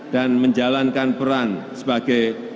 dan menjalankan peran sebagai